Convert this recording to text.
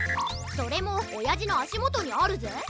それもおやじのあしもとにあるぜ。